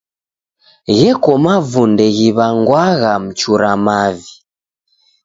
Gheko mavunde ghiw'anwagha mchura mavi.